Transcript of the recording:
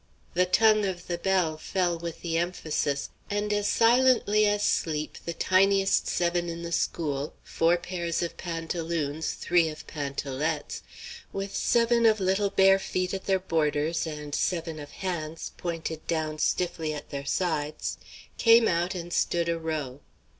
The tongue of the bell fell with the emphasis, and as silently as sleep the tiniest seven in the school, four pairs of pantaloons, three of pantalettes, with seven of little bare feet at their borders and seven of hands pointed down stiffly at their sides, came out and stood a row.